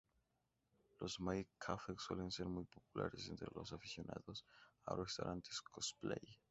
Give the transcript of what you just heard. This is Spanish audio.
Los Maid Cafe suelen ser muy populares entre los aficionados a restaurantes Cosplay.